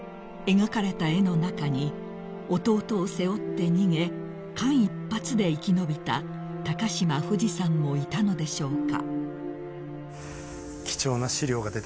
［描かれた絵の中に弟を背負って逃げ間一髪で生き延びた嶋フジさんもいたのでしょうか］